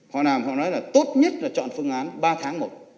họ nói là tốt nhất là chọn phương án ba tháng một